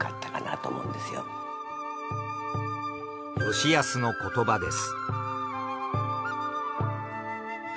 吉保の言葉です。